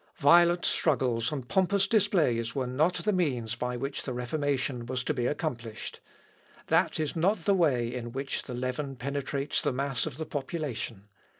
Violent struggles and pompous displays were not the means by which the Reformation was to be accomplished. That is not the way in which the leaven penetrates the mass of the population.